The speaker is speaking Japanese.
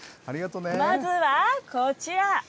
まずはこちら。